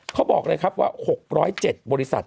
เขาบอกเลยครับว่า๖๐๗บริษัท